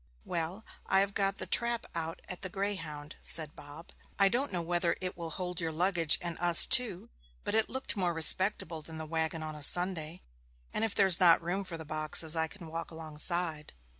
'Well, I have got the trap out at the Greyhound,' said Bob. 'I don't know whether it will hold your luggage and us too; but it looked more respectable than the waggon on a Sunday, and if there's not room for the boxes I can walk alongside.'